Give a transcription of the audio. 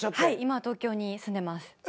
今は東京に住んでます。